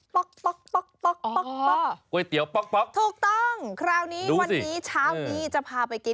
ป๊อกป๊อกป๊อกป๊อกป๊อกป๊อก